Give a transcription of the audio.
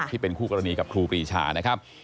ที่เป็นคู่กรณีกับครูปรีชานะครับ